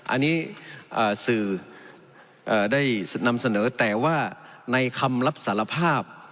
อันนี้สื่อได้นำเสนอแต่ว่าในคำรับสารภาพ